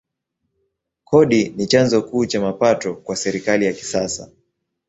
Kodi ni chanzo kuu cha mapato kwa serikali ya kisasa.